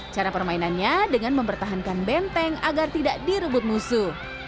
cara permainannya dengan mempertahankan benteng agar tidak direbut musuh